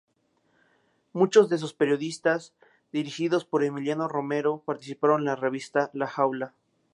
Muchos de sus periodistas, dirigidos por Emilio Romero, participaron en la revista "La Jaula".